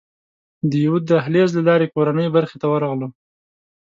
د یوه دهلېز له لارې کورنۍ برخې ته ورغلو.